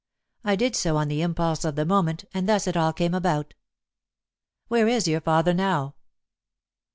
I did so on the impulse of the moment, and thus it all came about." "Where is your father now?"